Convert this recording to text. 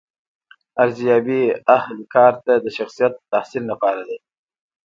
ارزیابي اهل کار ته د شخصیت د تحسین لپاره ده.